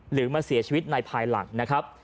หรือมาเสียชีวิตในภายหลังนะครับ